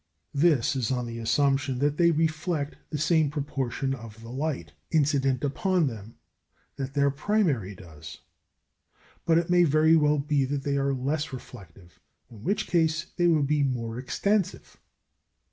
This is on the assumption that they reflect the same proportion of the light incident upon them that their primary does. But it may very well be that they are less reflective, in which case they would be more extensive.